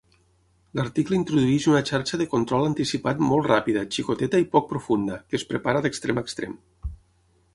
L'article introdueix una xarxa de control anticipat molt ràpida, xicoteta i poc profunda, que es prepara d'extrem a extrem.